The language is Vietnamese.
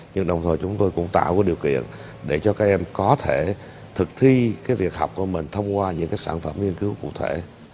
nhưng đồng thời chúng tôi cũng tạo cái điều kiện để cho các em có thể thực thi việc học của mình thông qua những sản phẩm nghiên cứu cụ thể